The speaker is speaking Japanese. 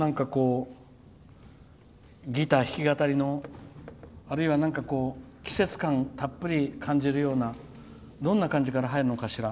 ギター弾き語りのあるいは、なんか季節感たっぷり感じるようなどんな感じから入るのかしら。